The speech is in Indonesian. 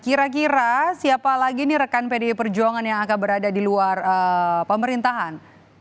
kira kira siapa lagi nih rekan pdi perjuangan yang akan berada di luar pemerintahan